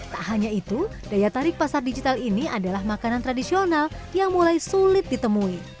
tak hanya itu daya tarik pasar digital ini adalah makanan tradisional yang mulai sulit ditemui